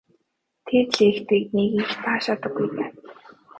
Тэр лекцийг нэг их таашаадаггүй байв.